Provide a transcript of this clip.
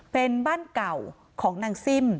เป็นบ้านเก่าของนางซิ่ม